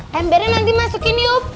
pembernya nanti masukin yuk